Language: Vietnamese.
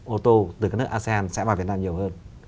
ô tô từ các nước asean sẽ vào việt nam nhiều hơn